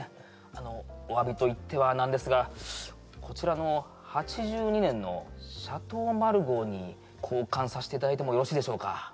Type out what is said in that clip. あのおわびと言っては何ですがこちらの８２年のシャトー・マルゴーに交換させていただいてもよろしいでしょうか？